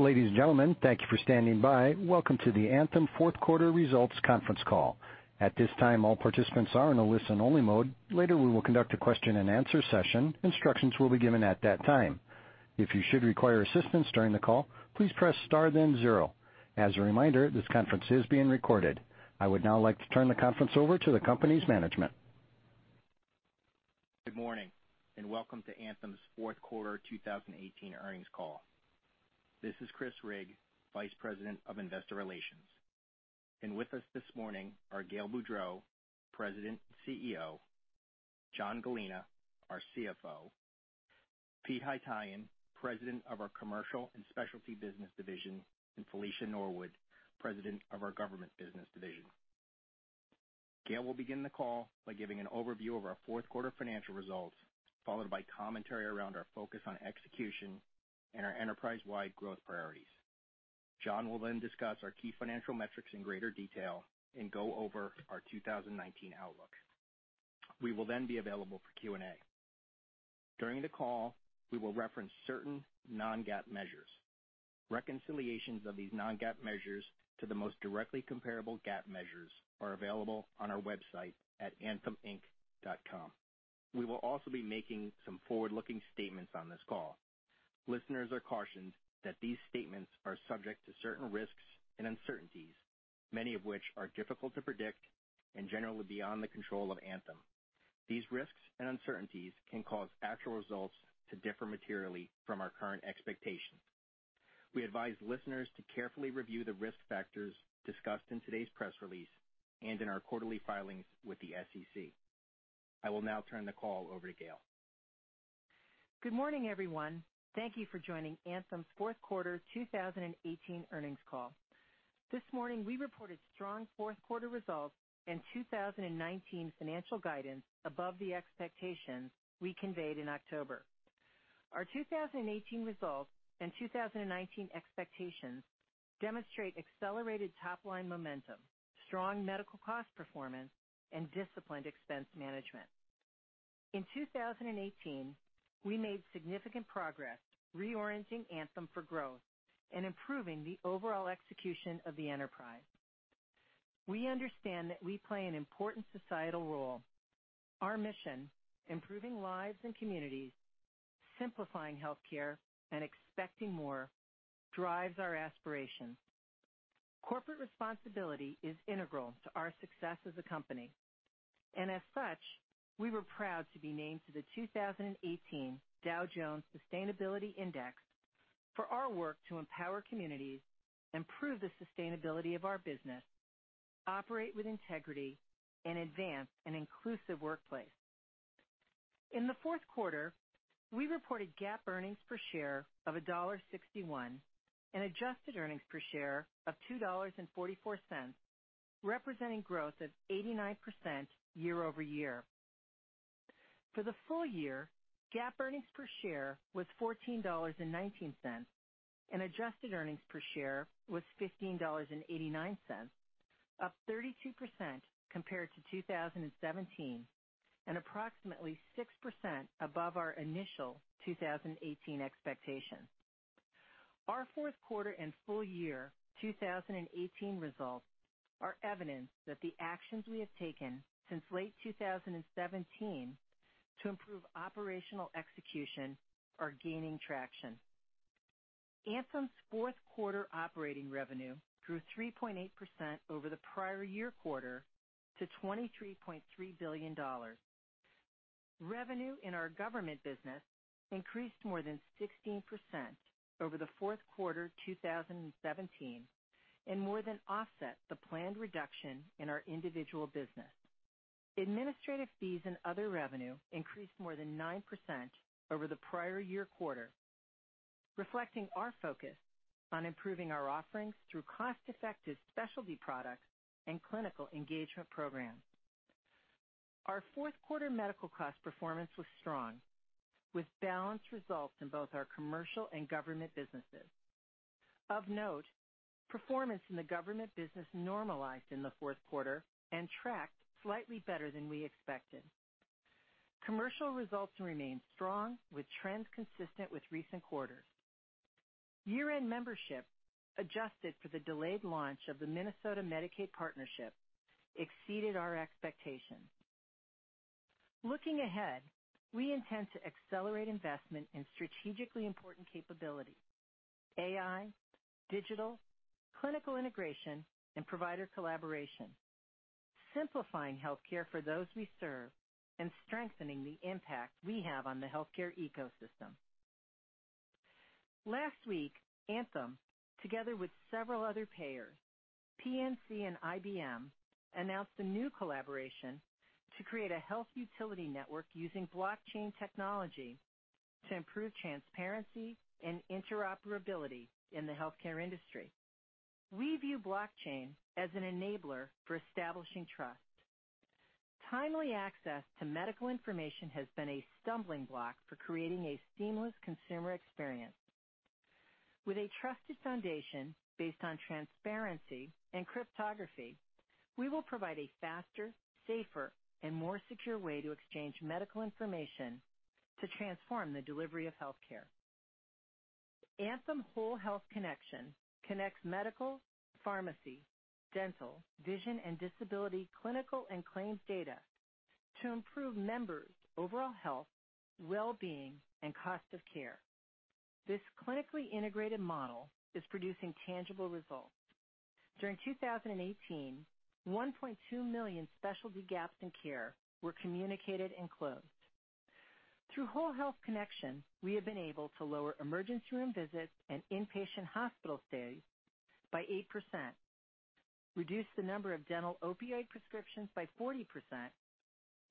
Ladies and gentlemen, thank you for standing by. Welcome to the Anthem fourth quarter results conference call. At this time, all participants are in a listen-only mode. Later, we will conduct a question and answer session. Instructions will be given at that time. If you should require assistance during the call, please press star then zero. As a reminder, this conference is being recorded. I would now like to turn the conference over to the company's management. Good morning. Welcome to Anthem's fourth quarter 2018 earnings call. This is Chris Rigg, Vice President of Investor Relations. With us this morning are Gail Boudreaux, President and CEO, John Gallina, our CFO, Pete Haytaian, President of our Commercial and Specialty Business division, and Felicia Norwood, President of our Government Business division. Gail will begin the call by giving an overview of our fourth quarter financial results, followed by commentary around our focus on execution and our enterprise-wide growth priorities. John will discuss our key financial metrics in greater detail and go over our 2019 outlook. We will be available for Q&A. During the call, we will reference certain non-GAAP measures. Reconciliations of these non-GAAP measures to the most directly comparable GAAP measures are available on our website at antheminc.com. We will also be making some forward-looking statements on this call. Listeners are cautioned that these statements are subject to certain risks and uncertainties, many of which are difficult to predict and generally beyond the control of Anthem. These risks and uncertainties can cause actual results to differ materially from our current expectations. We advise listeners to carefully review the risk factors discussed in today's press release and in our quarterly filings with the SEC. I will now turn the call over to Gail. Good morning, everyone. Thank you for joining Anthem's fourth quarter 2018 earnings call. This morning, we reported strong fourth quarter results and 2019 financial guidance above the expectations we conveyed in October. Our 2018 results and 2019 expectations demonstrate accelerated top-line momentum, strong medical cost performance, and disciplined expense management. In 2018, we made significant progress reorienting Anthem for growth and improving the overall execution of the enterprise. We understand that we play an important societal role. Our mission, improving lives and communities, simplifying healthcare, and expecting more, drives our aspiration. Corporate responsibility is integral to our success as a company, and as such, we were proud to be named to the 2018 Dow Jones Sustainability Index for our work to empower communities, improve the sustainability of our business, operate with integrity, and advance an inclusive workplace. In the fourth quarter, we reported GAAP earnings per share of $1.61 and adjusted earnings per share of $2.44, representing growth of 89% year-over-year. For the full year, GAAP earnings per share was $14.19, and adjusted earnings per share was $15.89, up 32% compared to 2017 and approximately 6% above our initial 2018 expectations. Our fourth quarter and full year 2018 results are evidence that the actions we have taken since late 2017 to improve operational execution are gaining traction. Anthem's fourth quarter operating revenue grew 3.8% over the prior year quarter to $23.3 billion. Revenue in our government business increased more than 16% over the fourth quarter 2017 and more than offset the planned reduction in our individual business. Administrative fees and other revenue increased more than 9% over the prior year quarter, reflecting our focus on improving our offerings through cost-effective specialty products and clinical engagement programs. Our fourth quarter medical cost performance was strong, with balanced results in both our commercial and government businesses. Of note, performance in the government business normalized in the fourth quarter and tracked slightly better than we expected. Commercial results remained strong with trends consistent with recent quarters. Year-end membership, adjusted for the delayed launch of the Minnesota Medicaid partnership, exceeded our expectations. Looking ahead, we intend to accelerate investment in strategically important capabilities, AI, digital, clinical integration, and provider collaboration, simplifying healthcare for those we serve and strengthening the impact we have on the healthcare ecosystem. Last week, Anthem, together with several other payers, PNC and IBM, announced a new collaboration to create a Health Utility Network using blockchain technology to improve transparency and interoperability in the healthcare industry. We view blockchain as an enabler for establishing trust. Timely access to medical information has been a stumbling block for creating a seamless consumer experience. With a trusted foundation based on transparency and cryptography, we will provide a faster, safer, and more secure way to exchange medical information to transform the delivery of healthcare. Anthem Whole Health Connection connects medical, pharmacy, dental, vision, and disability clinical and claims data to improve members' overall health, well-being, and cost of care. This clinically integrated model is producing tangible results. During 2018, 1.2 million specialty gaps in care were communicated and closed. Through Whole Health Connection, we have been able to lower emergency room visits and inpatient hospital stays by 8%, reduce the number of dental opioid prescriptions by 40%,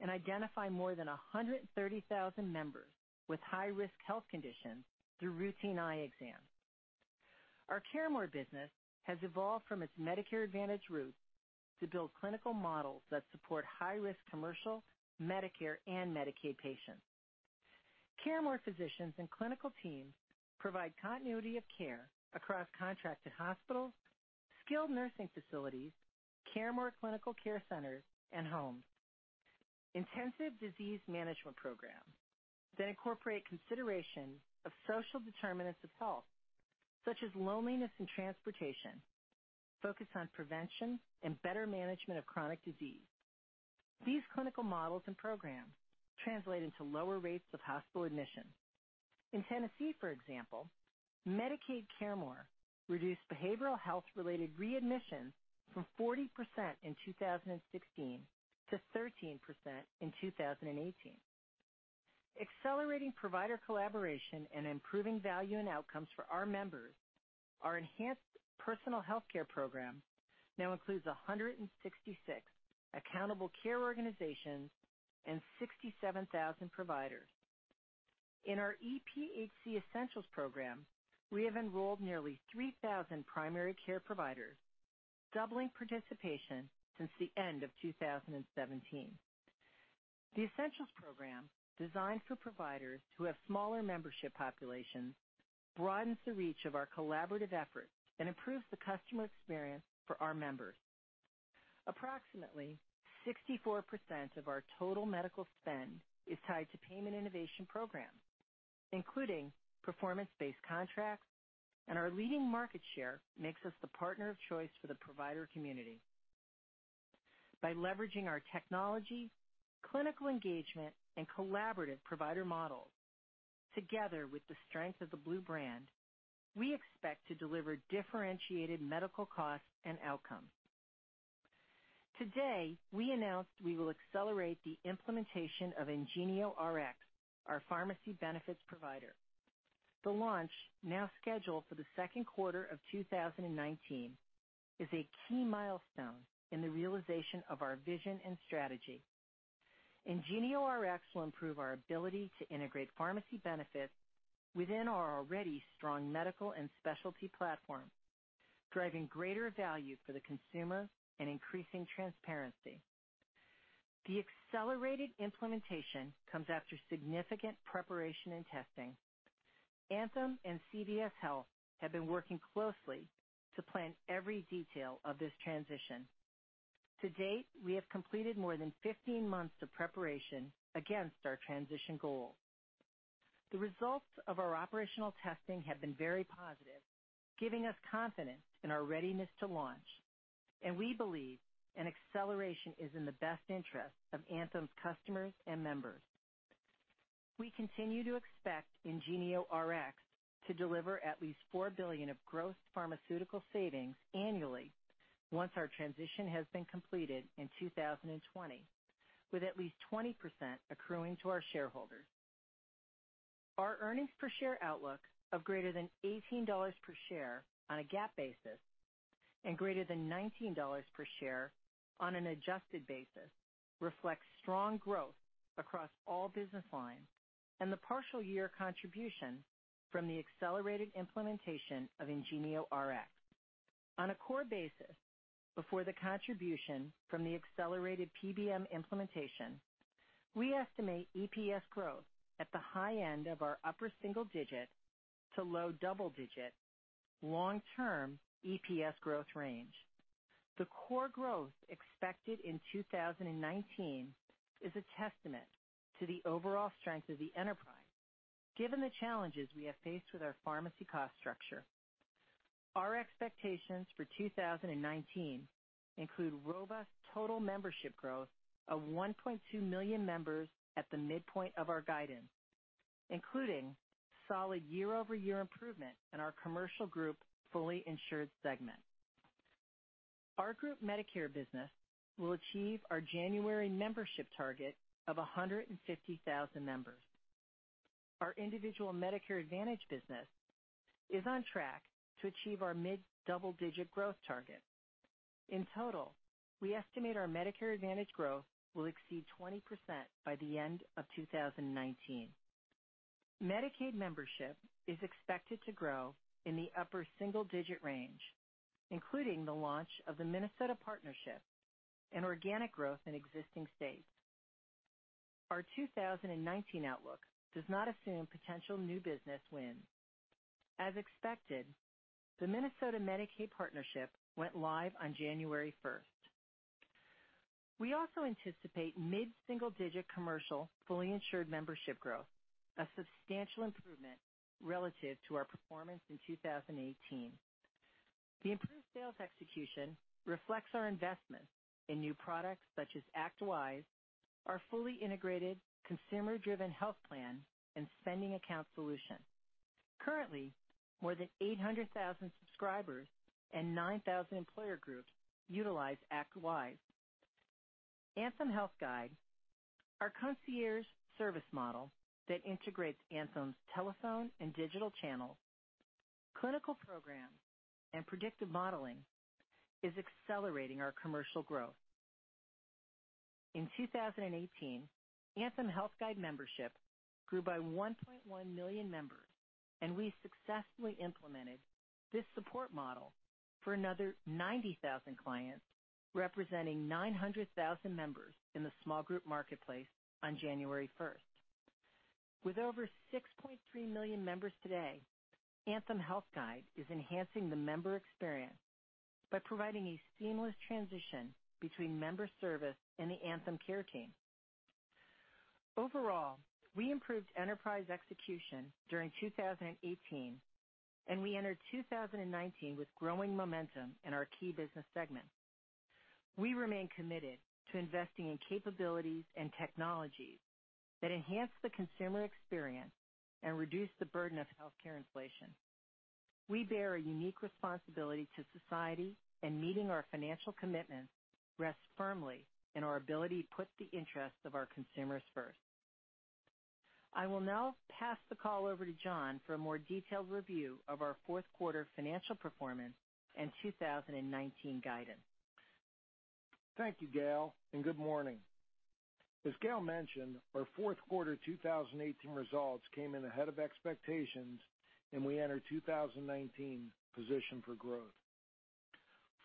and identify more than 130,000 members with high-risk health conditions through routine eye exams. Our CareMore business has evolved from its Medicare Advantage roots to build clinical models that support high-risk commercial, Medicare, and Medicaid patients. CareMore physicians and clinical teams provide continuity of care across contracted hospitals, skilled nursing facilities, CareMore clinical care centers, and homes. Intensive disease management programs that incorporate consideration of social determinants of health, such as loneliness and transportation, focus on prevention and better management of chronic disease. These clinical models and programs translate into lower rates of hospital admission. In Tennessee, for example, Medicaid CareMore reduced behavioral health-related readmissions from 40% in 2016 to 13% in 2018. Accelerating provider collaboration and improving value and outcomes for our members, our Enhanced Personal Health Care program now includes 166 accountable care organizations and 67,000 providers. In our EPHC Essentials program, we have enrolled nearly 3,000 primary care providers, doubling participation since the end of 2017. The Essentials program, designed for providers who have smaller membership populations, broadens the reach of our collaborative efforts and improves the customer experience for our members. Approximately 64% of our total medical spend is tied to payment innovation programs, including performance-based contracts, and our leading market share makes us the partner of choice for the provider community. By leveraging our technology, clinical engagement, and collaborative provider models together with the strength of the Blue brand, we expect to deliver differentiated medical costs and outcomes. Today, we announced we will accelerate the implementation of IngenioRx, our pharmacy benefits provider. The launch, now scheduled for the second quarter of 2019, is a key milestone in the realization of our vision and strategy. IngenioRx will improve our ability to integrate pharmacy benefits within our already strong medical and specialty platform, driving greater value for the consumer and increasing transparency. The accelerated implementation comes after significant preparation and testing. Anthem and CVS Health have been working closely to plan every detail of this transition. To date, we have completed more than 15 months of preparation against our transition goal. The results of our operational testing have been very positive, giving us confidence in our readiness to launch, and we believe an acceleration is in the best interest of Anthem's customers and members. We continue to expect IngenioRx to deliver at least $4 billion of gross pharmaceutical savings annually once our transition has been completed in 2020, with at least 20% accruing to our shareholders. Our earnings per share outlook of greater than $18 per share on a GAAP basis and greater than $19 per share on an adjusted basis reflects strong growth across all business lines and the partial year contribution from the accelerated implementation of IngenioRx. On a core basis, before the contribution from the accelerated PBM implementation, we estimate EPS growth at the high end of our upper single digit to low double digit long-term EPS growth range. The core growth expected in 2019 is a testament to the overall strength of the enterprise, given the challenges we have faced with our pharmacy cost structure. Our expectations for 2019 include robust total membership growth of 1.2 million members at the midpoint of our guidance, including solid year-over-year improvement in our commercial group fully insured segment. Our group Medicare business will achieve our January membership target of 150,000 members. Our individual Medicare Advantage business is on track to achieve our mid-double-digit growth target. In total, we estimate our Medicare Advantage growth will exceed 20% by the end of 2019. Medicaid membership is expected to grow in the upper single digit range, including the launch of the Minnesota partnership and organic growth in existing states. Our 2019 outlook does not assume potential new business wins. As expected, the Minnesota Medicaid partnership went live on January 1st, 2019. We also anticipate mid-single-digit commercial fully insured membership growth, a substantial improvement relative to our performance in 2018. The improved sales execution reflects our investment in new products such as Act Wise, our fully integrated consumer-driven health plan and spending account solution. Currently, more than 800,000 subscribers and 9,000 employer groups utilize Act Wise. Anthem Health Guide, our concierge service model that integrates Anthem's telephone and digital channels, clinical programs, and predictive modeling is accelerating our commercial growth. In 2018, Anthem Health Guide membership grew by 1.1 million members, and we successfully implemented this support model for another 90,000 clients, representing 900,000 members in the small group marketplace on January 1st, 2019. With over 6.3 million members today, Anthem Health Guide is enhancing the member experience by providing a seamless transition between member service and the Anthem care team. Overall, we improved enterprise execution during 2018, and we entered 2019 with growing momentum in our key business segments. We remain committed to investing in capabilities and technologies that enhance the consumer experience and reduce the burden of healthcare inflation. We bear a unique responsibility to society, and meeting our financial commitments rests firmly in our ability to put the interests of our consumers first. I will now pass the call over to John for a more detailed review of our fourth quarter financial performance and 2019 guidance. Thank you, Gail. Good morning. As Gail mentioned, our fourth quarter 2018 results came in ahead of expectations. We enter 2019 positioned for growth.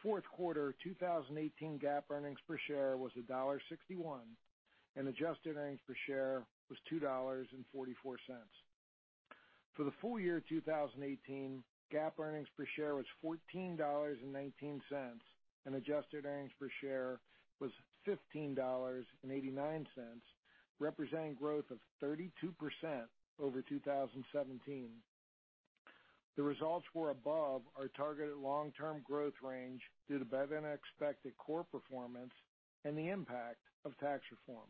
Fourth quarter 2018 GAAP earnings per share was $1.61, and adjusted earnings per share was $2.44. For the full year 2018, GAAP earnings per share was $14.19, and adjusted earnings per share was $15.89, representing growth of 32% over 2017. The results were above our targeted long-term growth range due to better-than-expected core performance and the impact of tax reform.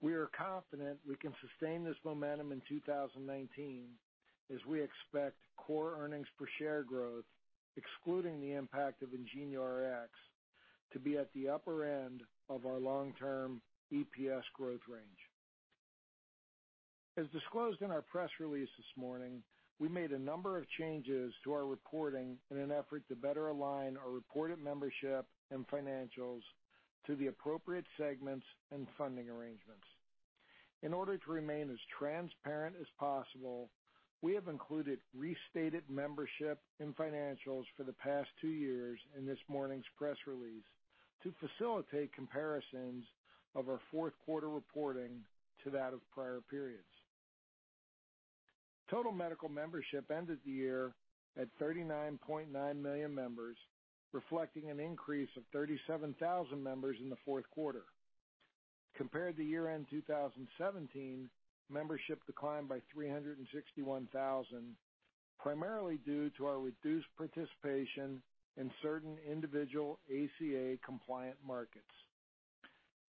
We are confident we can sustain this momentum in 2019 as we expect core earnings per share growth, excluding the impact of IngenioRx, to be at the upper end of our long-term EPS growth range. As disclosed in our press release this morning, we made a number of changes to our reporting in an effort to better align our reported membership and financials to the appropriate segments and funding arrangements. In order to remain as transparent as possible, we have included restated membership and financials for the past two years in this morning's press release to facilitate comparisons of our fourth quarter reporting to that of prior periods. Total medical membership ended the year at 39.9 million members, reflecting an increase of 37,000 members in the fourth quarter. Compared to year-end 2017, membership declined by 361,000, primarily due to our reduced participation in certain individual ACA compliant markets.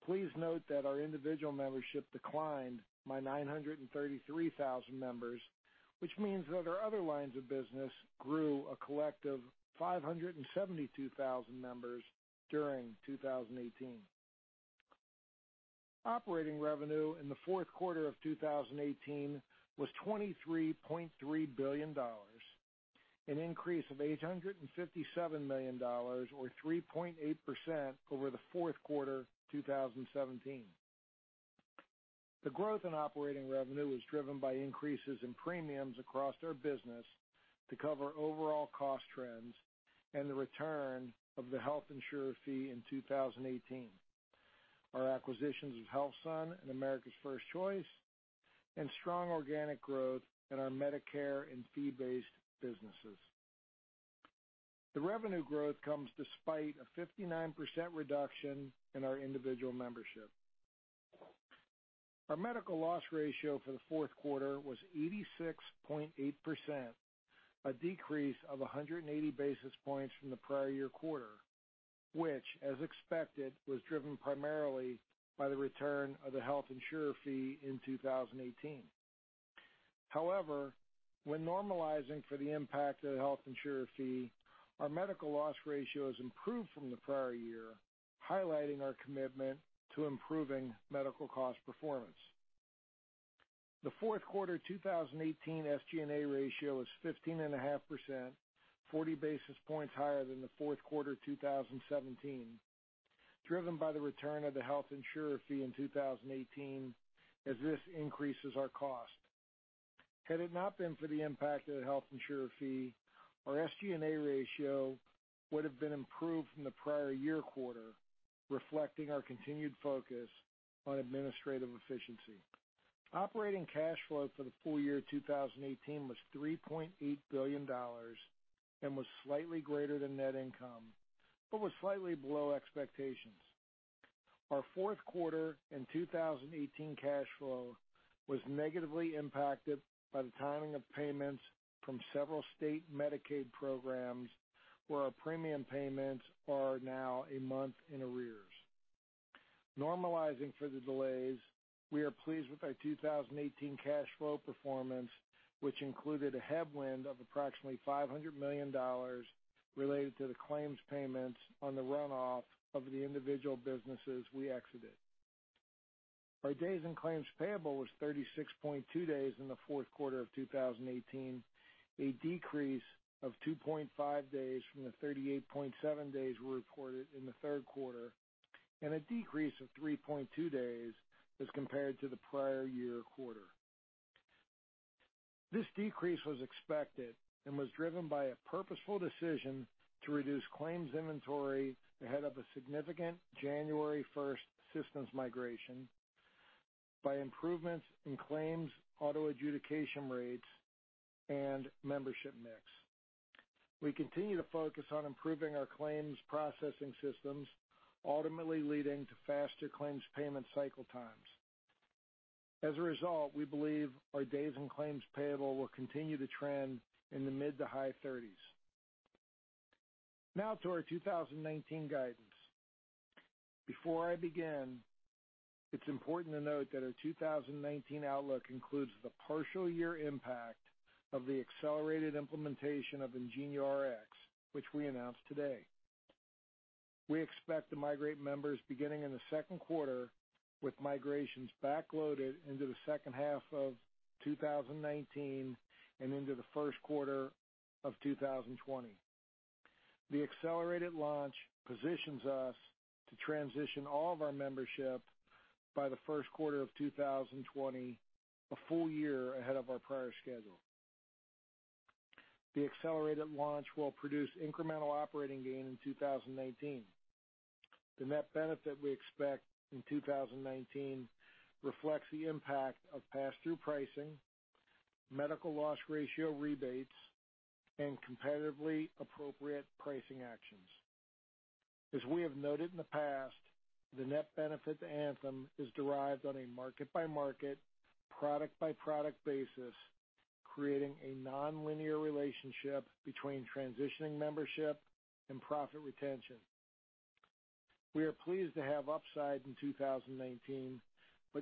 Please note that our individual membership declined by 933,000 members, which means that our other lines of business grew a collective 572,000 members during 2018. Operating revenue in the fourth quarter of 2018 was $23.3 billion, an increase of $857 million or 3.8% over the fourth quarter 2017. The growth in operating revenue was driven by increases in premiums across our business to cover overall cost trends and the return of the health insurer fee in 2018. Our acquisitions of HealthSun and America's 1st Choice and strong organic growth in our Medicare and fee-based businesses. The revenue growth comes despite a 59% reduction in our individual membership. Our medical loss ratio for the fourth quarter was 86.8%, a decrease of 180 basis points from the prior year quarter, which, as expected, was driven primarily by the return of the health insurer fee in 2018. However, when normalizing for the impact of the health insurer fee, our medical loss ratio has improved from the prior year, highlighting our commitment to improving medical cost performance. The fourth quarter 2018 SG&A ratio was 15.5%, 40 basis points higher than the fourth quarter 2017, driven by the return of the health insurer fee in 2018 as this increases our cost. Had it not been for the impact of the health insurer fee, our SG&A ratio would have been improved from the prior year quarter, reflecting our continued focus on administrative efficiency. Operating cash flow for the full year 2018 was $3.8 billion and was slightly greater than net income, but was slightly below expectations. Our fourth quarter in 2018 cash flow was negatively impacted by the timing of payments from several state Medicaid programs where our premium payments are now a month in arrears. Normalizing for the delays, we are pleased with our 2018 cash flow performance, which included a headwind of approximately $500 million related to the claims payments on the runoff of the individual businesses we exited. Our days in claims payable was 36.2 days in the fourth quarter of 2018, a decrease of 2.5 days from the 38.7 days we reported in the third quarter, and a decrease of 3.2 days as compared to the prior year quarter. This decrease was expected and was driven by a purposeful decision to reduce claims inventory ahead of a significant January 1st, 2019 systems migration by improvements in claims auto adjudication rates and membership mix. We continue to focus on improving our claims processing systems, ultimately leading to faster claims payment cycle times. As a result, we believe our days in claims payable will continue to trend in the mid to high 30s. Now to our 2019 guidance. Before I begin, it's important to note that our 2019 outlook includes the partial year impact of the accelerated implementation of IngenioRx, which we announced today. We expect to migrate members beginning in the second quarter, with migrations back-loaded into the second half of 2019 and into the first quarter of 2020. The accelerated launch positions us to transition all of our membership by the first quarter of 2020, a full year ahead of our prior schedule. The accelerated launch will produce incremental operating gain in 2019. The net benefit we expect in 2019 reflects the impact of pass-through pricing, medical loss ratio rebates, and competitively appropriate pricing actions. As we have noted in the past, the net benefit to Anthem is derived on a market-by-market, product-by-product basis, creating a nonlinear relationship between transitioning membership and profit retention. We are pleased to have upside in 2019,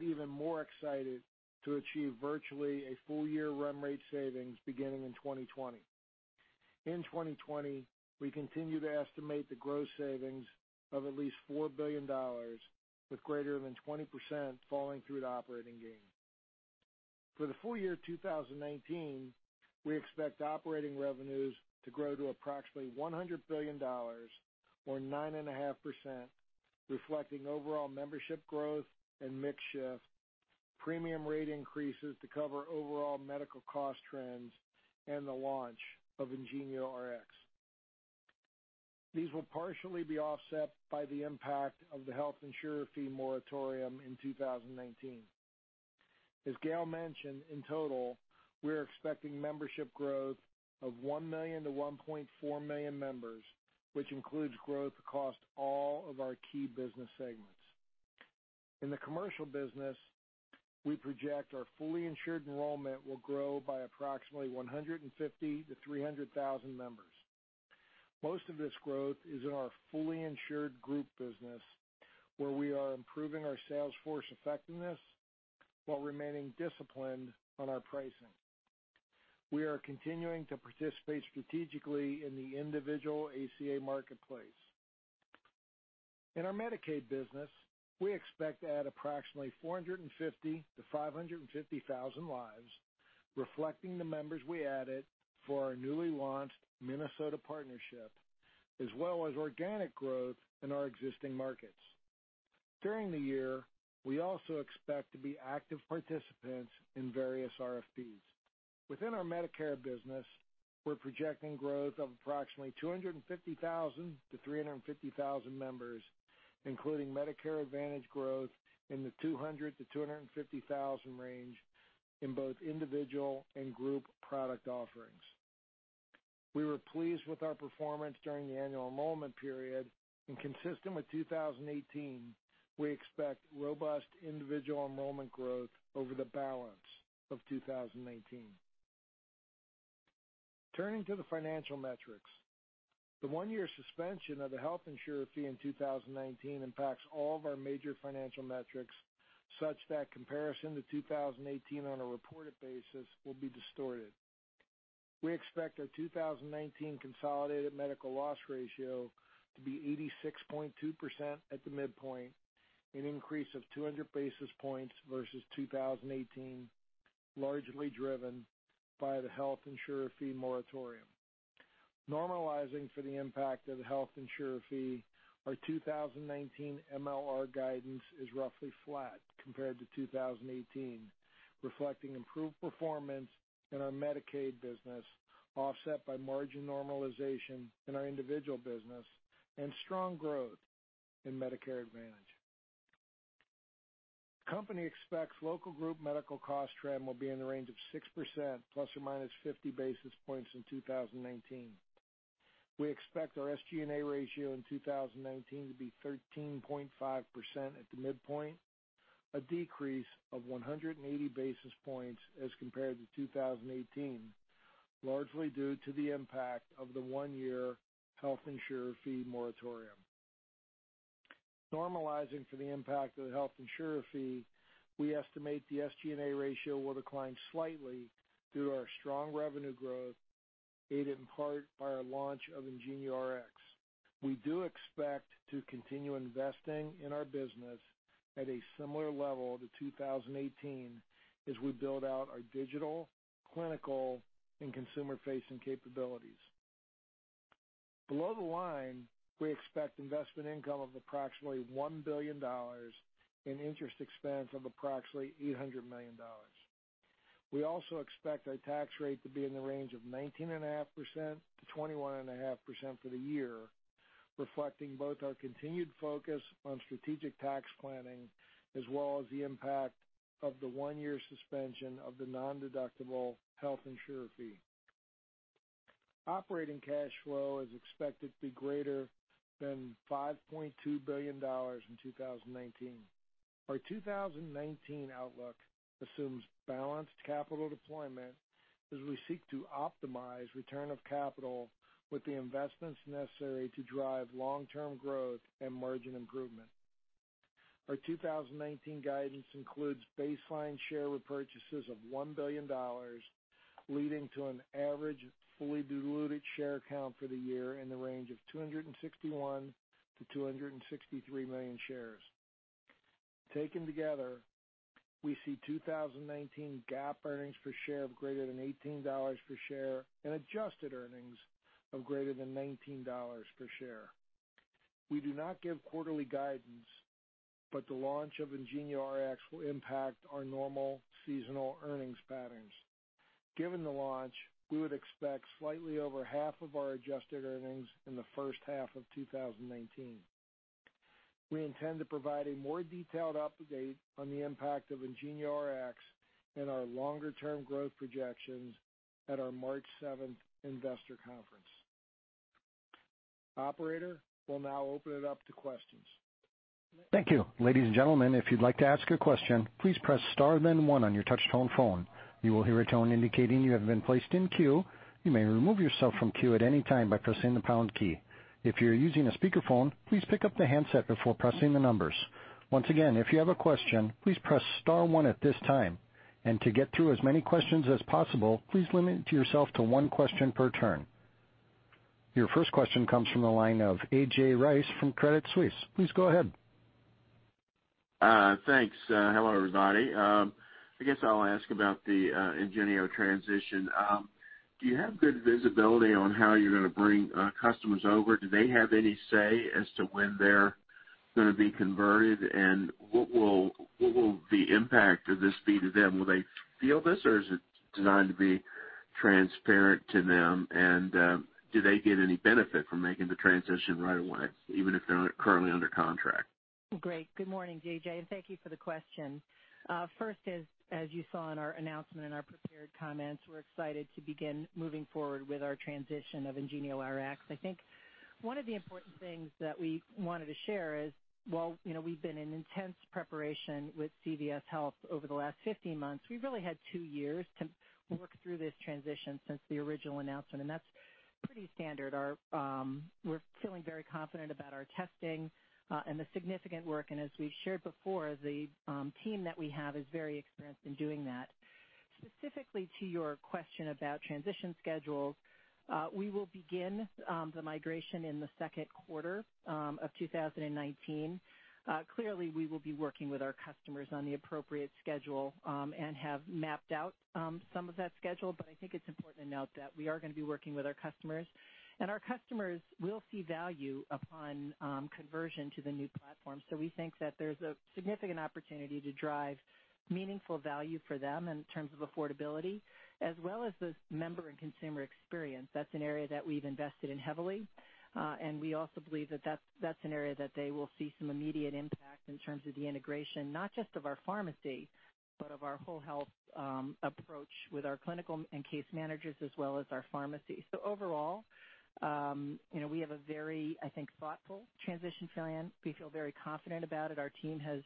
even more excited to achieve virtually a full-year run rate savings beginning in 2020. In 2020, we continue to estimate the gross savings of at least $4 billion, with greater than 20% falling through to operating gains. For the full year 2019, we expect operating revenues to grow to approximately $100 billion, or 9.5%, reflecting overall membership growth and mix shift, premium rate increases to cover overall medical cost trends, and the launch of IngenioRx. These will partially be offset by the impact of the health insurer fee moratorium in 2019. As Gail mentioned, in total, we are expecting membership growth of 1 million to 1.4 million members, which includes growth across all of our key business segments. In the commercial business, we project our fully insured enrollment will grow by approximately 150,000 to 300,000 members. Most of this growth is in our fully insured group business, where we are improving our sales force effectiveness while remaining disciplined on our pricing. We are continuing to participate strategically in the individual ACA marketplace. In our Medicaid business, we expect to add approximately 450,000 to 550,000 lives, reflecting the members we added for our newly launched Minnesota partnership, as well as organic growth in our existing markets. During the year, we also expect to be active participants in various RFPs. Within our Medicare business, we're projecting growth of approximately 250,000 to 350,000 members, including Medicare Advantage growth in the 200,000 to 250,000 range in both individual and group product offerings. We were pleased with our performance during the annual enrollment period, consistent with 2018, we expect robust individual enrollment growth over the balance of 2019. Turning to the financial metrics. The one-year suspension of the health insurer fee in 2019 impacts all of our major financial metrics, such that comparison to 2018 on a reported basis will be distorted. We expect our 2019 consolidated medical loss ratio to be 86.2% at the midpoint, an increase of 200 basis points versus 2018, largely driven by the health insurer fee moratorium. Normalizing for the impact of the health insurer fee, our 2019 MLR guidance is roughly flat compared to 2018, reflecting improved performance in our Medicaid business, offset by margin normalization in our individual business and strong growth in Medicare Advantage. The company expects local group medical cost trend will be in the range of 6%, ±50 basis points in 2019. We expect our SG&A ratio in 2019 to be 13.5% at the midpoint, a decrease of 180 basis points as compared to 2018, largely due to the impact of the one-year health insurer fee moratorium. Normalizing for the impact of the health insurer fee, we estimate the SG&A ratio will decline slightly due to our strong revenue growth, aided in part by our launch of IngenioRx. We do expect to continue investing in our business at a similar level to 2018 as we build out our digital, clinical, and consumer-facing capabilities. Below the line, we expect investment income of approximately $1 billion and interest expense of approximately $800 million. We also expect our tax rate to be in the range of 19.5%-21.5% for the year, reflecting both our continued focus on strategic tax planning as well as the impact of the one-year suspension of the non-deductible health insurer fee. Operating cash flow is expected to be greater than $5.2 billion in 2019. Our 2019 outlook assumes balanced capital deployment as we seek to optimize return of capital with the investments necessary to drive long-term growth and margin improvement. Our 2019 guidance includes baseline share repurchases of $1 billion, leading to an average fully diluted share count for the year in the range of 261 million-263 million shares. Taken together, we see 2019 GAAP earnings per share of greater than $18 per share and adjusted earnings of greater than $19 per share. We do not give quarterly guidance. The launch of IngenioRx will impact our normal seasonal earnings patterns. Given the launch, we would expect slightly over half of our adjusted earnings in the first half of 2019. We intend to provide a more detailed update on the impact of IngenioRx and our longer-term growth projections at our March 7th, 2019 investor conference. Operator, we'll now open it up to questions. Thank you. Ladies and gentlemen, if you'd like to ask a question, please press star then one on your touch-tone phone. You will hear a tone indicating you have been placed in queue. You may remove yourself from queue at any time by pressing the pound key. If you're using a speakerphone, please pick up the handset before pressing the numbers. Once again, if you have a question, please press star one at this time. To get through as many questions as possible, please limit yourself to one question per turn. Your first question comes from the line of A.J. Rice from Credit Suisse. Please go ahead. Thanks. Hello, everybody. I guess I'll ask about the IngenioRx transition. Do you have good visibility on how you're going to bring customers over? Do they have any say as to when they're going to be converted? What will the impact of this be to them? Will they feel this, or is it designed to be transparent to them? Do they get any benefit from making the transition right away, even if they're not currently under contract? Great. Good morning, A.J., and thank you for the question. First is, as you saw in our announcement, in our prepared comments, we're excited to begin moving forward with our transition of IngenioRx. I think one of the important things that we wanted to share is, while we've been in intense preparation with CVS Health over the last 15 months, we've really had two years to work through this transition since the original announcement, that's pretty standard. We're feeling very confident about our testing and the significant work, as we've shared before, the team that we have is very experienced in doing that. Specifically to your question about transition schedules, we will begin the migration in the second quarter of 2019. Clearly, we will be working with our customers on the appropriate schedule and have mapped out some of that schedule. I think it's important to note that we are going to be working with our customers, our customers will see value upon conversion to the new platform. We think that there's a significant opportunity to drive meaningful value for them in terms of affordability as well as the member and consumer experience. That's an area that we've invested in heavily, we also believe that that's an area that they will see some immediate impact in terms of the integration, not just of our pharmacy, but of our whole health approach with our clinical and case managers as well as our pharmacy. Overall, we have a very, I think, thoughtful transition plan. We feel very confident about it. Our team has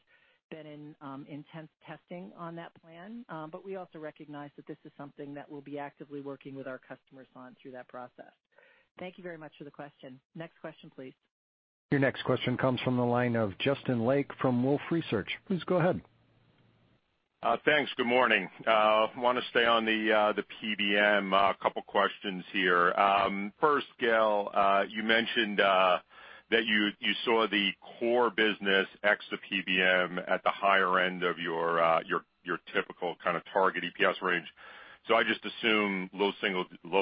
been in intense testing on that plan. We also recognize that this is something that we'll be actively working with our customers on through that process. Thank you very much for the question. Next question, please. Your next question comes from the line of Justin Lake from Wolfe Research. Please go ahead. Thanks. Good morning. Want to stay on the PBM, a couple questions here. First, Gail, you mentioned that you saw the core business ex the PBM at the higher end of your typical kind of target EPS range. I just assume low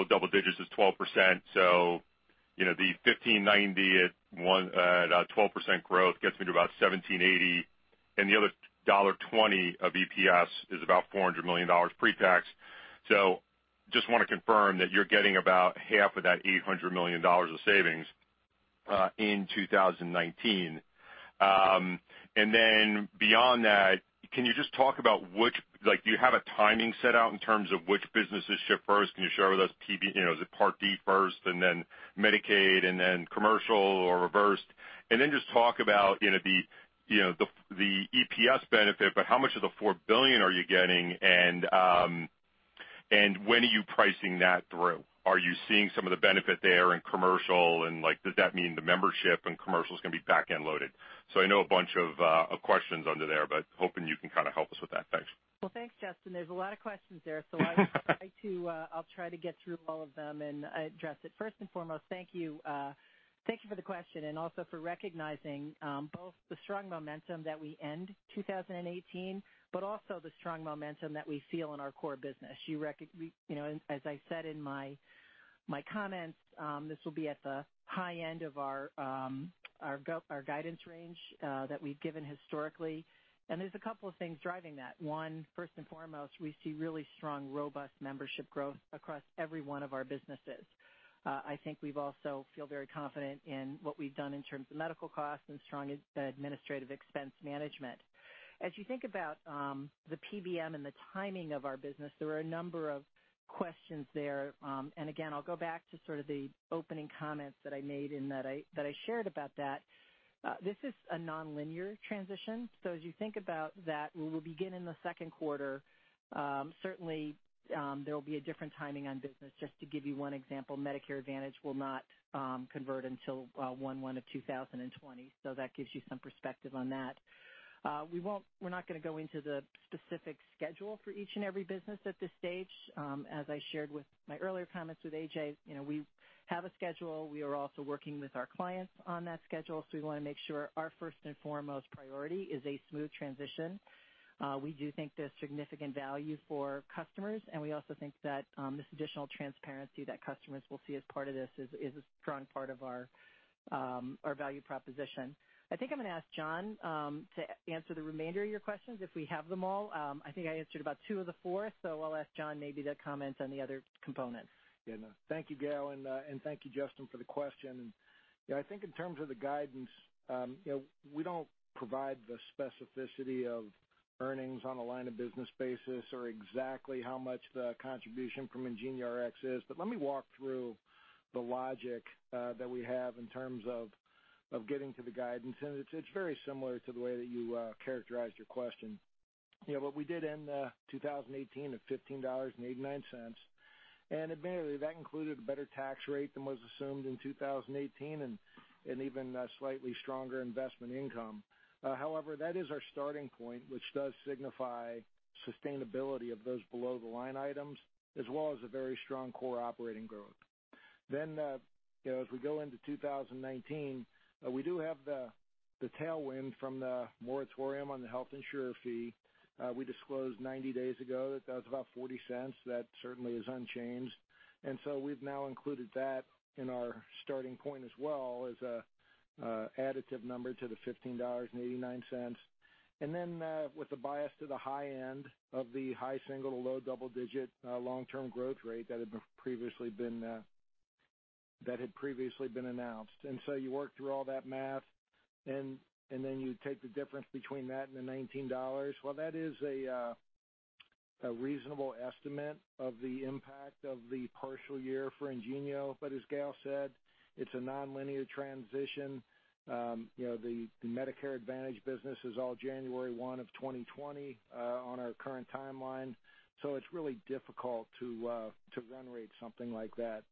double digits is 12%, so the $1,590 at 12% growth gets me to about $1,780, and the other $1.20 of EPS is about $400 million pre-tax. Just want to confirm that you're getting about half of that $800 million of savings in 2019. Beyond that, do you have a timing set out in terms of which businesses ship first? Can you share with us, is it Part D first and then Medicaid and then commercial, or reversed? Just talk about the EPS benefit, but how much of the $4 billion are you getting, and when are you pricing that through? Are you seeing some of the benefit there in commercial, and does that mean the membership and commercial's going to be back-end loaded? I know a bunch of questions under there, but hoping you can kind of help us with that. Thanks. Well, thanks, Justin. There's a lot of questions there. I'll try to get through all of them and address it. First and foremost, thank you for the question and also for recognizing both the strong momentum that we end 2018, but also the strong momentum that we feel in our core business. As I said in my comments, this will be at the high end of our guidance range that we've given historically, and there's a couple of things driving that. One, first and foremost, we see really strong, robust membership growth across every one of our businesses. I think we also feel very confident in what we've done in terms of medical costs and strong administrative expense management. As you think about the PBM and the timing of our business, there are a number of questions there. I'll go back to sort of the opening comments that I made and that I shared about that. This is a nonlinear transition. As you think about that, we will begin in the second quarter. Certainly, there'll be a different timing on business. Just to give you one example, Medicare Advantage will not convert until January 1 of 2020, so that gives you some perspective on that. We're not going to go into the specific schedule for each and every business at this stage. As I shared with my earlier comments with A.J., we have a schedule. We are also working with our clients on that schedule. We want to make sure our first and foremost priority is a smooth transition. We do think there's significant value for customers, and we also think that this additional transparency that customers will see as part of this is a strong part of our value proposition. I think I'm going to ask John to answer the remainder of your questions, if we have them all. I think I answered about two of the four, I'll ask John maybe to comment on the other components. Thank you, Gail, and thank you, Justin, for the question. I think in terms of the guidance, we don't provide the specificity of earnings on a line of business basis or exactly how much the contribution from IngenioRx is. Let me walk through the logic that we have in terms of getting to the guidance. It's very similar to the way that you characterized your question. What we did in 2018 at $15.89, and admittedly, that included a better tax rate than was assumed in 2018 and even a slightly stronger investment income. However, that is our starting point, which does signify sustainability of those below the line items, as well as a very strong core operating growth. As we go into 2019, we do have the tailwind from the moratorium on the health insurer fee. We disclosed 90 days ago that that was about $0.40. That certainly is unchanged. We've now included that in our starting point as well as an additive number to the $15.89. With the bias to the high end of the high single- to low double-digit long-term growth rate that had previously been announced. You work through all that math, and then you take the difference between that and the $19. That is a reasonable estimate of the impact of the partial year for Ingenio. As Gail said, it's a nonlinear transition. The Medicare Advantage business is all January 1 of 2020 on our current timeline, it's really difficult to run rate something like that.